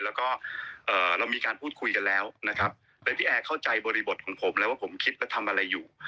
แล้วก็เรามีการพูดคุยกันแล้วนะครับโดยพี่แอร์เข้าใจบริบทของผมแล้วว่าผมคิดและทำอะไรอยู่